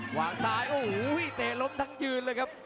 วางซ้ายโอ้โหเตะล้มทั้งยืนเลยครับ